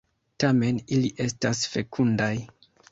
Tamen ili estas fekundaj.